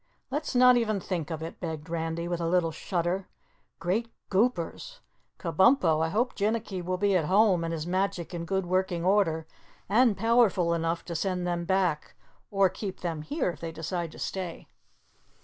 "Let's not even think of it," begged Randy with a little shudder. "Great Goopers! Kabumpo, I hope Jinnicky will be at home and his magic in good working order and powerful enough to send them back or keep them here if they decide to stay."